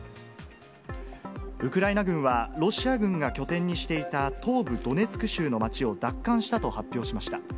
ウクライナ軍はロシア軍が拠点にしていた東部ドネツク州の街を奪還したと発表しました。